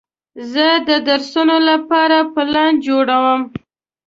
زه د درسونو لپاره پلان جوړوم.